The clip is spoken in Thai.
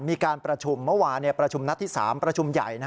มีการประชุมเมื่อวานประชุมนัดที่๓ประชุมใหญ่